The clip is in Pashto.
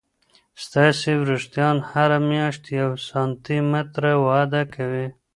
ستاسې وریښتان هر میاشت یو سانتي متره وده کوي.